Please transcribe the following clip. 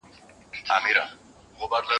راغی، ولاړی